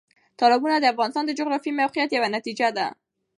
تالابونه د افغانستان د جغرافیایي موقیعت یو نتیجه ده.